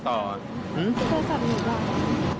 โทรศัพท์จึงต้องมีหิว